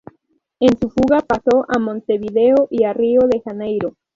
En su fuga pasó a Montevideo y a Río de Janeiro.